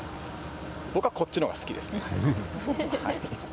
僕はこっちのほうが好きですね。